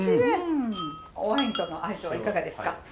おワインとの相性はいかがですか？